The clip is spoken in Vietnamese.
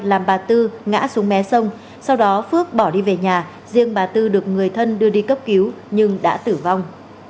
làm bà tư ngã xuống mé sông sau đó phước bỏ đi về nhà riêng bà tư được người thân đưa đi cấp cứu nhưng đã tử vong